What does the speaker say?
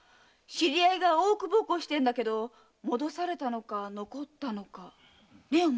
知り合いが大奥奉公してるけど戻されたのか残ったのかね